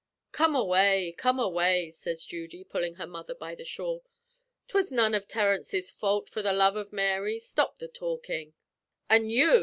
"'Come away! Come away!" sez Judy, pullin' her mother by the shawl. ''Twas none av Terence's fault. For the love av Mary, stop the talkin'!' "'An' you!'